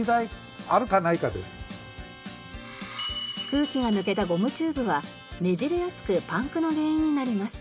空気が抜けたゴムチューブはねじれやすくパンクの原因になります。